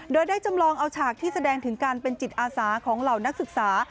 โดยได้จำลองเอาฉากที่แสดงถึงการเป็นจิตอาสาของเหล่านักศึกษา